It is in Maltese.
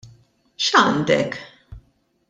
X'għandek?